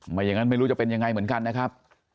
อย่างนั้นไม่รู้จะเป็นยังไงเหมือนกันนะครับ